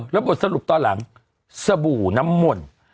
แล้วบทสรุปตอนหลังสบู่น้ำมนต์